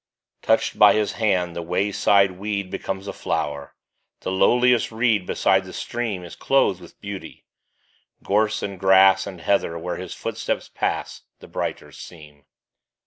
Touched by his hand, the wayside weed Becomes a flower ; the lowliest reed Beside the stream Is clothed in beauty ; gorse and grass And heather, where his footsteps pass, The brighter seem.